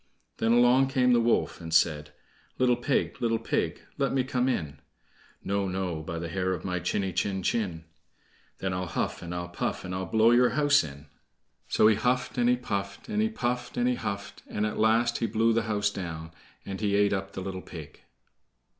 Then along came the wolf, and said: "Little pig, little pig, let me come in." "No, no, by the hair of my chiny chin chin." "Then I'll huff, and I'll puff, and I'll blow your house in." So he huffed, and he puffed, and he puffed, and he huffed, and at last he blew the house down, and he ate up the little pig.